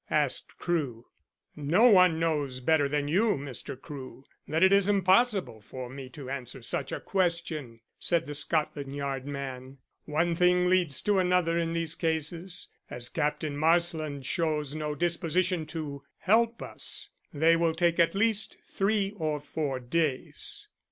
asked Crewe. "No one knows better than you, Mr. Crewe, that it is impossible for me to answer such a question," said the Scotland Yard man. "One thing leads to another in these cases. As Captain Marsland shows no disposition to help us, they will take at least three or four days."